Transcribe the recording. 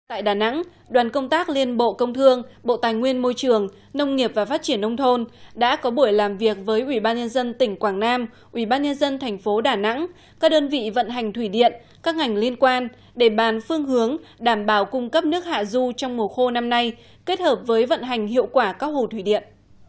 tại đà nẵng đoàn công tác liên bộ công thương bộ tài nguyên môi trường nông nghiệp và phát triển nông thôn đã có buổi làm việc với ủy ban nhân dân tỉnh quảng nam ubnd thành phố đà nẵng các đơn vị vận hành thủy điện các ngành liên quan để bàn phương hướng đảm bảo cung cấp nước hạ du trong mùa khô năm nay kết hợp với vận hành hiệu quả các hồ thủy điện